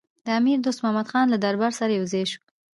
د امیر دوست محمدخان له دربار سره یو ځای شو.